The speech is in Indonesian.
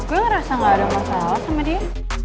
gue ngerasa gak ada masalah sama dia